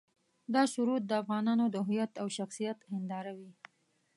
دا سرود د افغانانو د هویت او شخصیت هنداره وي.